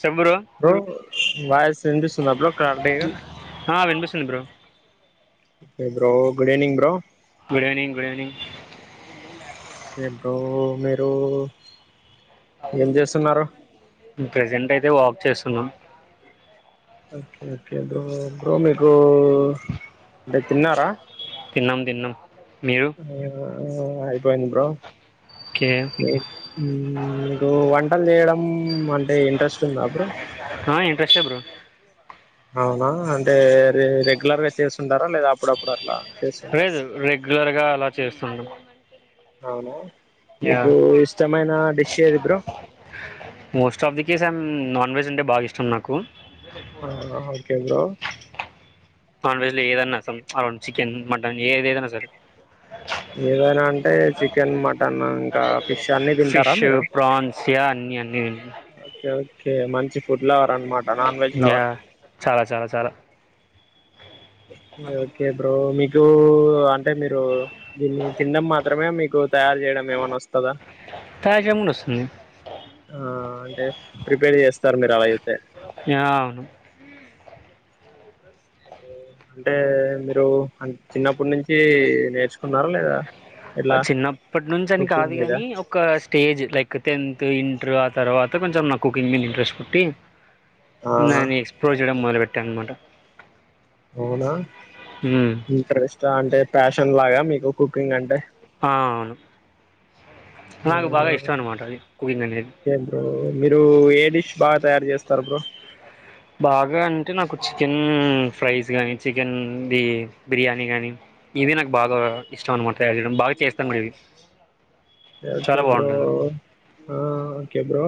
చెప్పు బ్రో ఆ వినిపిస్తుంది bro bro good evening bro good evening good evening ఇప్పుడు మీరు ఏం చేస్తున్నారు ప్రెజెంట్ అయితే వాక్ చేస్తున్నాం ఓకే ఓకే బ్రో బ్రో మీకు అంటే తిన్నారా తిన్నం తిన్నం ఆ అయిపోంది బ్రో ఓకే నైట్ హు మీకు వంటలు చేయడం అంటే ఇంట్రెస్ట్ ఉందా బ్రో ఆ ఇంట్రెస్ట్టే బ్రో అవునా అంటే రెగ్యులర్ గా చేస్తుంటారా లేదా అప్పుడప్పుడు అట్లా చేస్తుంటారా లేదు రెగ్యులర్ గా అలా చేస్తుండకూడదు అవునా మీకు ఇష్టమైన డిష్ ఏది bro most of the case I'm non వెజ్ంటే బాగా ఇష్టం నాకు ఆ ఓకే బ్రో నాన్ వెజ్ లో ఏదన్నా సం అరౌండ్ చికెన్ మటన్ ఏదేదన్నా సరే ఏదైనా అంటే చికెన్ మటన్ ఇంకా ఫిష్ అన్ని తింటారా ఫిష్ మీరు ప్రాన్స్ యా అన్ని అం న్నీ తిన్ ఓకే ఓకే మంచి ఫుడ్ లవర్ అనమాట నాన్ వెజ్ యా లవర్ చాలా చాలా చాలా ఓకే బ్రో మీకు అంటే మీరు దీన్ని తినడం మాత్రమే మీకు తయారు చేయడం ఏమన్నా వస్తదా తాజాగా కూడా వస్తుంది ఆ అంటే ప్రిపేర్ చేస్తారు మీరు అలాయితే యా అంటే మీరు చిన్నప్పటి నుంచి నేర్చుకున్నారా లేదా ఎట్లా చిన్నప్పటి నుంచి అని కుకింగ్ కాదు మీద గాని ఒక స్టేజ్ లైక్ ఒక టెన్త్ ఇంటర్ ఆ తర్వాత కొంచెం నాకు కుకింగ్ మీద ఇంట్రెస్ట్ పుట్టి ఆ న నెన్ ఎక్స్ప్లోర్ చేయడం మొదలు పెట్టా అనమాట అవునా మ్మ్ ఇంట్రెస్ట్ అంటే ప్యాషన్ లాగా మీకు కుకింగ్ అంటే ఆ అవును నాకు అవునా బాగా ఇష్టం అనమాట అది కుకింగ్ అనేది ఏంటో మీరు ఏ డిష్ బా తయారు చేస్తారు బ్రో బాగా అంటే నాకు చికెన్ ఫ్రైస్ గానీ చికెన్ది బిర్యానీ కానీ ఇవి నాకు బాగా ఇష్టం అనమాట తయారు చేయడం బాగా చేస్తాను అది టి ఓకే కే బ్రో ఆ ఓకే బ్రో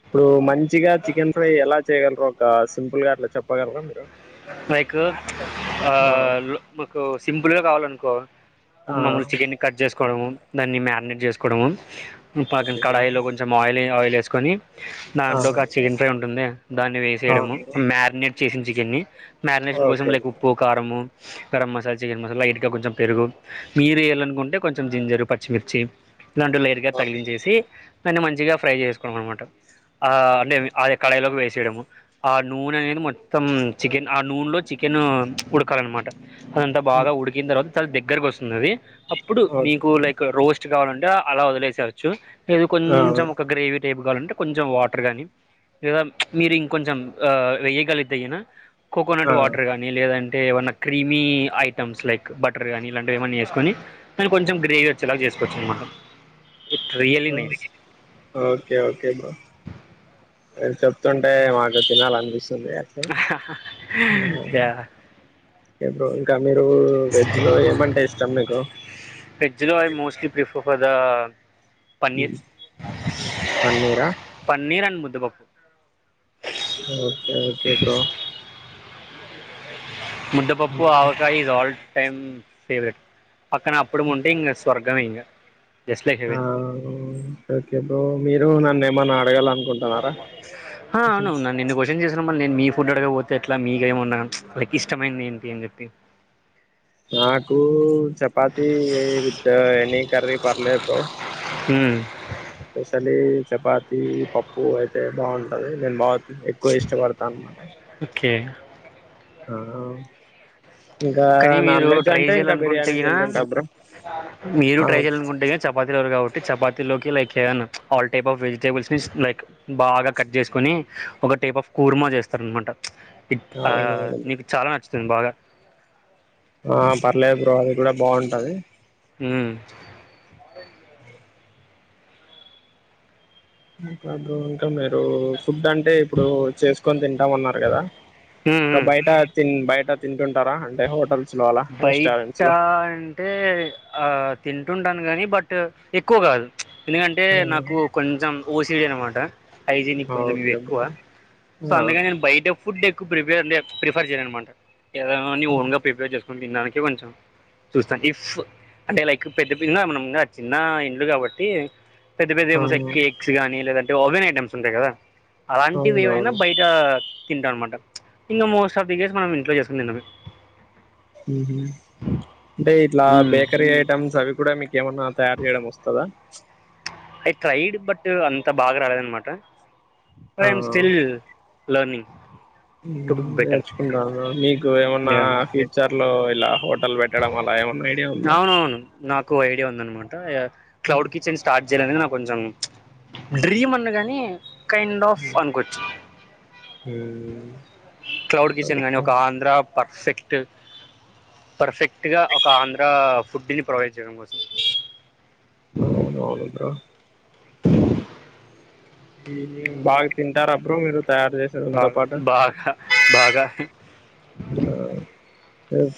ఇప్పుడు మంచి మంచిగా చికెన్ ఫ్రై ఎలా చేయగలరో ఒక సింపుల్ గా అట్లా చెప్పగలరా మీరు లైక్ ఆ మాకు సింపుల్గా కావాలనుకో ఆ ఆ మామూలుగా చికెన్ని కట్ చేసుకోడము దాన్ని మ్యారినేట్ చేసుకోడమో పక్కన ఓకే బ్రో కడాయిలో కొంచెం ఆయిలె ఆయిల్ వేసుకొని దాంట్లో ఒక ఆ చికెన్ ఫ్రై ఉంటుందే దాన్ని ఆ వేసేయడము మ్యారినేట్ చేసిన చికెన్ని మ్యారినేషన్ కోసం ఓకే లైక్ బ్రో ఉప్పు కారము గరం మసాలా చికెన్ మసాలా ఇటుక కొంచెం పెరుగు మీరు వేయాలనుకుంటే కొంచెం జింజరు పచ్చిమిర్చి దాంట్లో లైర్గా ఆ! తగిలించేసి దాన్ని మంచిగా ఫ్రై చేసుకోవడం అనమాట ఆ అంటే అది కడయిలోకి వేసేయడము ఆ నూనె అనే మొత్తం చికెన్ ఆ నూనెలో చికెన్ ఉడకాలన్నమాట అదంతా హ్మ్. బాగా ఉడికిన తర్వత్ త చాల దగ్గరకు వస్తుందది అప్పుడు ఓకే నీకు లైక్ రోస్ట్ కావాలంటే అలా వదిలేసేయోచ్చు ఇది ఆ కొంచెం ఒక గ్రేవి టైప్ కావాలంటే కొంచెం వాటర్ గానీ లేదా మీరు ఇంకొంచెం వెేయగలిగుతే అయినా కోకోనట్ ఆ వాటర్ గాని లేదం టె ఏమన్నా క్రీమీ ఐటమ్స్ లైక్ బటర్ కానీ ఇలాంటివి ఏమన్నా వేసుకొని దని కొంచెం గ్రేవీ వచ్చేలా చేస్ కొచ్చూ అన్నమాట టు ఆ ఓకే ఓకే బ్రో మీరు చెప్తుంటే మాకు తినాలి అనిపిస్ స్తుంది అట్లే అందుకు యా బో ఇంకా మీరు వెజ్లో ఏమంటే ఇష్టం మీకు దా పన్నీర్ పన్నీరా పన్నీర్ అండ్ ముందు పప్పు ఓకే ఓకే బ్రో ముద్దపప్పు ఆవకాయ ఇజ్ ఆల్ టైమ్ ఫేవరెట్ పక్కన అప్పడం ఉంటే ఇంకా స్వర్గం కావంగా ఆ ఓకేప్పు మీరు నన్న ఏమన్నా అడగల ఆ అవునున్నాను నిన్ను క్వశ్చన్ చేసినా మళ్ళ నేను మీ ఫడుడుగాపోతే ఎట్లా మీక ఏమన్నాను లైక్ ఇష్టమైంది ఏంటి అని చెప్పి నాకు చపాతి విత్ ఎన్ని కరీ పర్లే బ్రో హ స్పెషలీ చపాతి పప్పు అయితే బాగుంటది నేను బా ఎక్కువ ఇష్టపడతా అన్నమాట ఓకే ఆ ఇంకా కానీ నాన్ మీరు వెజ్ ట్రై అంటే ఇంకా చేయాలనుకుంటే బిర్యానీ గిన తింటుంట అబ్రం మీరు ట్రై చేయాలనుకుంటే చపాతీలు ఎవరు కావట్దు చపాతిలో లై ఆల్ టైప్ ఆఫ్ వెజిటబుల్స్ ని లైక్ బాగా కట్ చేసుకని ఒక ఒక టైప్ ఆఫ్ కుర్మా చేస్తారు అనమాట ఇ ఆ అవునవును బ్రో నీకు చాలా నచ్చుతుంది బాగా ఆ పర్లేదు బ్రో ఆది కూడా బాగుంటది అ అద ఇకా మ ఫుడ్ అంటే ఇప్పుడు చేసుకొని తింటాంన్నారు కదా ఉమ్, ఇ ఉమ్. బయట బయట తింటుంటారా అంటే హోటల్ బయట అంటే ఆ తింటుంటాను కాగాని బట్ బట్ ఎక్కువ కాదు ఎందుకంటే నాకు కొంచెం ఓసిడీ అనమాట హైజీనిక్ కొంచెం ఇవి ఓకే ఎక్కువ బ్రో సో అందుగాని నేను బయట ఫుడ్ ఎక్కువ ప్రిపేర్ అే ప్రిఫర్ చేయ అనమాట ఏదనాని ఓన్ గా ప్రిపేర్ చేసుకుొని తినడానికి కొంచెం చూస్తాం ఇఫ్ అంటే లైక్ పెద్దగా మన చిన్న ఇండ్లు కాబట్టి పెద్ద పెద్ద అవును ఎక్స్ కానీ లేదంటే ఓవెన్ ఐటమ్స్ ఉంటాయి కదా అలాంటివి ఏవైనా అవునవును బయట తింటాం అనమాట ఇన్న మోస్ట్ ఆఫ్ ది గేస్ మనం ఇంట్లో చేస్తుంది నిన్న అంటే ఇట్లా బేకరీ ఐటమ్స్ అవి కూడా మీకు ఏమన్నా తయారు చేయడం వస్తుందా అయి ట్రైడ్ బట్ అంత బాగా రాలేదు అనమాట బట్ ఆ ఐ ఏం స్టీల్ లర్నింగ్ నేర్చుకుంటాను మీకు ఏమన్నా ఫ్యూచర్ లో ఇలా హోటల్ పెట్ట అవునవును నాకు ఐడియా ఉంద అన్నమాట మ్మ్. క్లౌడ్ కిచ్ అని స్టార్ట్ చేయాలనేది నాకు కొంచెం డ్రీమ్ అన్నగాని కైండ్ ఆఫ్ అనుకోొచ్చు అ క్లౌడ్ కిచెన్ గానీ ఒక ఆంధ్ర పర్ఫెక్ట్ పర్ఫెక్ట్ గా ఒక ఆంధ్ర ఫుడ్ని ప్రొవైడ్ చేయడం కోసం అవునువుడుద ఈ బా తింటారబ్ర మీరు తయారు చేస ఉంతో బాగా పాట బాగా బాగా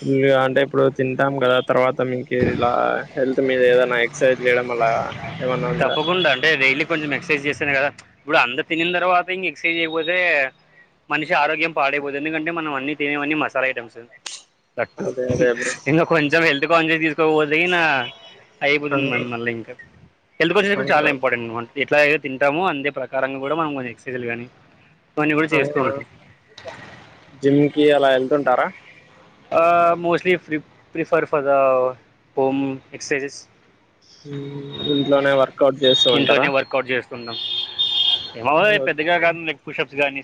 ఫుల్గా అంటే ఇప్పుడు తింటాం కదా తర్వాత మీంక ఇలా హెల్త్ మీద ఏదైనా ఎక్సర్సైజ్ చేయడం అలా ఏమన్నా ఉందా అంట డైలీ కొంచెం ఎక్సర్సైజ్ చేస్త ఇప్పుడు అందరు తిన తర్వాత ఇంక ఎక్సర్సైజ్ అయిపోతే మనిషి ఆరోగ్యం పాడైపోతుంది ఎందుకంటే మనం అన్ని తినేవన్ని మసాలా ఐటమ్స్ తట్టు అదే అదే బ్రో ఇంగ కొంచెం హెల్త్ కాన్షియస్ తీసుకోకపోతే గినా అయిపోతుంది మన మళ్ళింక హెల్త్ కోచేటప్పటికీ చాలా అవునా ఇంపార్టెంట్ వన్ ఇట్లాగే తింటాము అందే ప్రకారం కూడా మనం ఎక్సైజలు గానీ అ జిమ్ కి అలా వెళ్తుంటారా mostly prefer for the home exercises ఇంట్లోనే వర్కౌట్ చేస్తూ ఉంటారా ఇంట్లోనే వర్కౌట్ ఏమో యి పెద్దగా కాదు లైక్ పుషప్ గానీ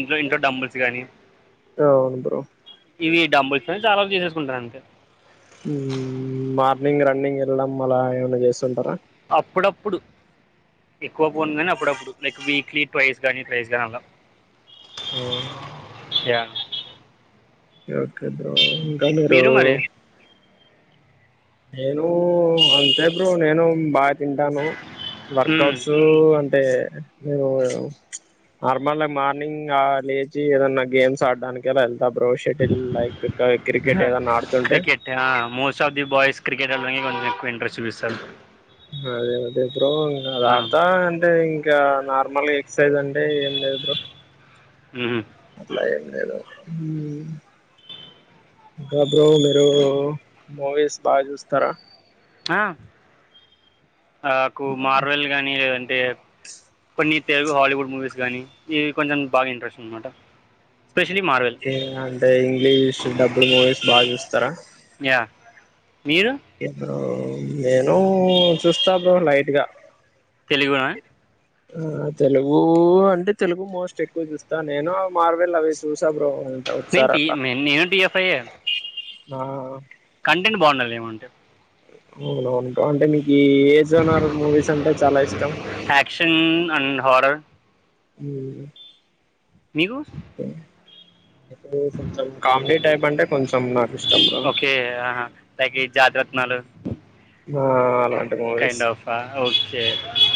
ఇంట్లో ఇంట్లో డంబుల్స్ గానీ అవును బ్రో ఇవి డంబెల్స్ చాలా వరకు చేసేసుకుంటాను అంతే మార్నింగ్ రన్నింగ్ ఎళ్ళడం అలా ఏమన్నా చేస్తుంటారా అప్పుడప్పుడు ఎక్కువ పోను కాని అప్పుడప్పుడు లైక్ వీక్లీ ట్వైస్ గానీ ట్రైస్ గానీ అలా ఓ య ఒకే బ్రో ఇంకా మీరు నేను అంతే బ్రో నేను బా తింటాను వర్కౌట్స్ అంటే నువ్వు నార్మల్ మార్నింగ్ ఆ లేచి ఏదన్నా గేమ్స్ ఆడడానికి ఎలా వెళ్ ఏళ్త బ్రో షెటిల్ లైక్ క్రికెట్ ఏదనా ఆడుతుంటే cricket most of the boys cricket వెళ్డానికి కొంచెం ఎక్కువ ఇంట్రెస్ చూపిస్తాను అదే అదే బ్రో ఇంగ దాత అంటే ఇంకా నార్మల్గా ఎక్సర్సైజ్ అంటె ఏం లేదు బ్రో ఉహు అట్లా ఏం లేదు ఉ ఇంకా బ్రో మీరు మూవీస్ బాగా చూస్తారా ఆ నాకు మార్వెల్ గానీ లేదంటే ఇప్పుడు నీ తెలుగు హాలీవుడ్ మూవీస్ గానీ ఇవి కొంచెం బాగా ఇంట్రెస్ట్ అనమాట స్పెషలీ మార్వెల్ అంటే ఇంగ్లీష్ డబ్బుడ్ మూవీస్ బాగా చూస్తారా యా మీరు ఒకే బ్రో నేను చూస్తా బ్రో లైట్గా తెలుగునా ఆ తెలుగు అంటే తెలుగు మోస్ట్ ఎక్కువ చూస్తా నేను మార్వెలు అవే చూసా బ్రో అంట నేను ఒకసారి పి అట్లా మెన్ నేను టి ఎఫ్ఐ యే ఆ కంటెంట్ బాగుండాలి ఏమంటే ఇందులో ఉంటా అంటే మీకు ఈ ఏజోన్ ఆర్ మూవీస్ అంటే చాలా ఇష్టం యాక్షన్ అండ్ హారర్ ఉమ్ మీకు కొంచెం కామెడీ టైప్ అంటే కొంచెం నాకు ఇష్టం బ్రో ఓకే లైక్ ఈ జాతీరత్నాలు నా అలాన్ కైండ్ ఆఫ్ ఓకే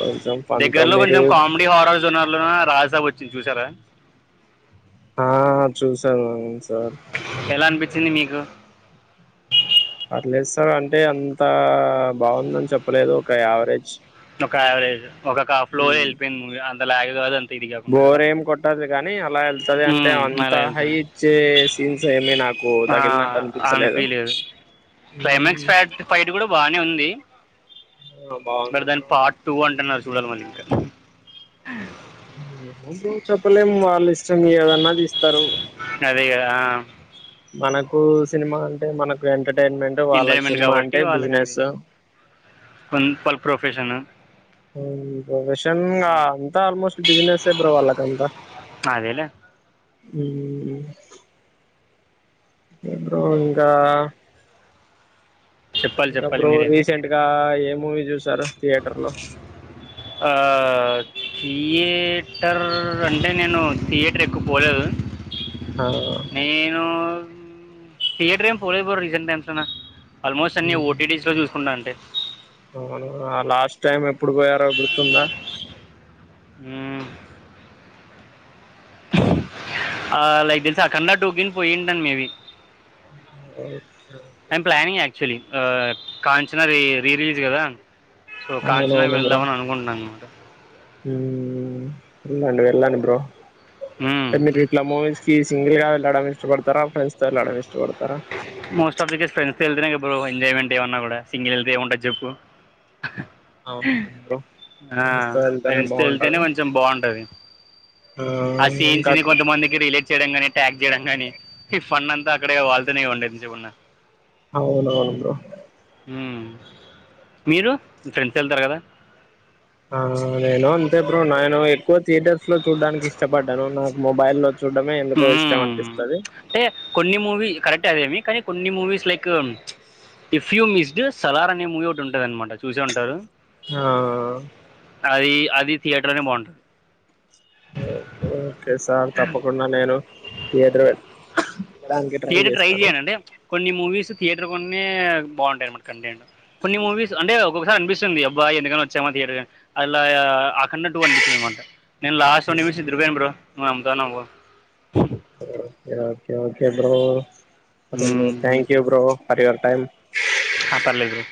కొంచెం ఫన్ తో దగ్గర్లో మీరు కొంచం కామెడీ హారర్ జోనర్ లోనా రాజసాబ్ వచ్చింది చూసారా ఆ చూసాను సార్ చింది మీకు పర్లేద్ సార్ అంటే అంత బాగుందని చెప్పలేదు ఒక యావరేజ్ ఒక యావరేజ్ ఒకక ఫ్లో మ్మ్. ఏళ్ళిపోయింది అంత లాగే వదన్ బోర్ ఏం కొట్టది కానీ అలా ఎల్త్ వస్తుంది అంటే మ్మ్, అంత అలా హై వెళ్తుంది ఇచ్చే సీన్స్ ఏమి నాకు ఆ, తగిలినట్టు అనిపించలేదు క్లైమాక్స్ ఫ్యాట్ ఫైట్ కూడా బానే ఉంది మరి బాగుంది దాన్ని బ్రో పార్ట్ టూ అంటున్నారు చూడాలి మళ్ళీ ఇంకా ఏమో బ్రో చెప్పలేము వాళ్ళు ఇష్టం ఏదన్నా తీస్తారు అదే కదా, ఆ మనకు సినిమా అంటే మనకు ఎంటర్టై ఏంటిటైర్మెంట్న వాళ్ళకు ఎంటర్టైన్మెంట్ సినిమా కాబట్టి అంటే వాళ్ళకి అది బిజినెస్ [unintelligible] [unintelligible] చంగా అంత ఆల్మోస్ట్ బిజినెస్ వాలకఅంత అదేలే ఉమ్ బ్రో ఇంకా చెప్పాలి ఇంకా చెప్పాలి బ్రో మీరే రీసెంట్గా ఏం మూవీస్ ఆ థియేటర్.. ‌ అంటే నేను థియేటర్ ఎక్కువ పోలేదు నేను థియేటర్ ఏం పోలే బ్రో రీసెంట్ టైమ్స్ ఆల్మోస్ట్ అన్ని ఓటీస్ లో చూసుకుంటా అంటే అవునా లాస్ట్ టైం ఎప్పుడు పోయారో గుర్తుందా ఉమ్ ఆ లైక్ తెలిస అఖండ టు పోయింటను మేబి అ ఒకే ఒకే బ్రో ఆ కాంచనా రి రిలీజ్ కదా సో కాంచనాకు వెళ్దామని అనుకుంటున్నా అనమాట హ ఇలాంవి అనమాట ఎలానిబ్ట్లా మ ఈ సింగిల్ గా వెళ్డడం ఇష్టపడతారా ఫ్రెడ్స్ తో వెళ్ళడం ఇష్టపడతారు మోస్ట్ ఆఫ్ దిస్ ఫ్రెండ్స్ వెళ్తేనే ఎ ఎంజాయ్మెంట్ ఏమన్నా కూడా సింగిల్ వెళ్తే ఏ ఉంటుంది చెప్పు అవునవును బ్రో ఆ ఫ్రెండ్స్ తో వెళ్తేనే ఫ్రెండ్స్ తో వెళ్తేనే బాగుంటది కొంచెం బాగుంటది ఆ సీన్స్ ఇంకా ని కొంతమందికి రిలేట్ చేయడం గాని ట్యాగ్ చేయడం నీ ఈ ఫండ్ అంతా అక్కడ వాళ్ళతనేవండిదించకున్న అవును అవును బ్రో ఉమ్ మీరు మీ ఫ్రెండ్స్ వెళ్తారు కదా ఆ నేను అంతే బ్రో నేను ఎక్కువ థియేటర్స్ లో చూడ్డానికి ఇష్టపడ్డాను నాకు మొబైల్ లో చూడ్డమే ఎందుకో ఇష్టం మ్మ్. అనిపిస్తది మీ కానీ కొన్ని movies like if you missed Salaar అనే మూవీ ఒకటి ఉంటంది అనమాట చూసే ఉంటరు ఆ... అది అది థియేటర్ లోనే బాగుంటది ఓకే ఓకే సార్ తప్పకుండా నేను థియటరే ట్రై చేయను అంటే కొన్ని మూవీస్ థియేటర్ కొన్ని బాగుంటాయి కొన్ని మూవీస్ అంటే అనిపిస్తుంది అబ్బా ఎందుకన్నా వచ్చామాథియేటర్ అలా అ కన్న టటు అనిపించింది అనమాట నేన్ లాస్ట్ నిమిస్ ఇ్రరు బేన్ బ్ర నువ అమ్దా నవు okay okay bro um thank you bro your time ఆ పర్లేదు బ్రో